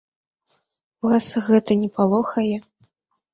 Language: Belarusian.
Вас гэта не палохае?